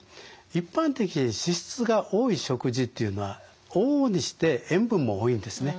一般的に脂質が多い食事というのは往々にして塩分も多いんですね。